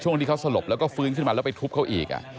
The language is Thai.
ช่วงที่เขาสลบแล้วก็ฟื้นขึ้นมาแล้วไปทุบเขาอีก